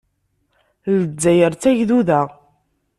Lezzayer d tagduda.